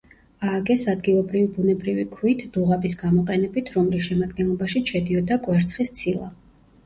ააგეს ადგილობრივი ბუნებრივი ქვით, დუღაბის გამოყენებით, რომლის შემადგენლობაშიც შედიოდა კვერცხის ცილა.